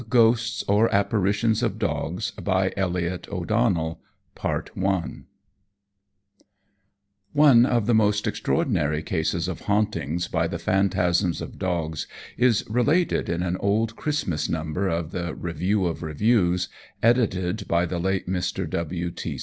CHAPTER II APPARITIONS OF DOGS One of the most extraordinary cases of hauntings by the phantasms of dogs is related in an old Christmas number of the Review of Reviews, edited by the late Mr. W.